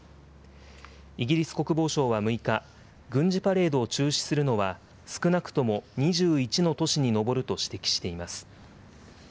イギリス国防省は６日、軍事パレードを中止するのは、少なくとも２１の都市に上ると指摘しています。